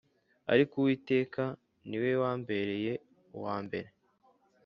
Ariko Uwiteka ni we wambereye uwa mbere